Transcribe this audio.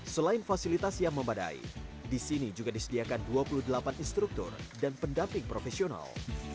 selain fasilitas yang memadai di sini juga disediakan dua puluh delapan instruktur dan pendamping profesional